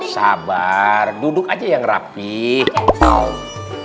sabar duduk aja yang rapih